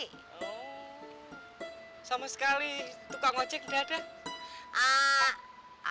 oh sama sekali tukang ojek enggak ada